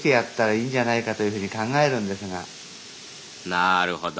「なるほど。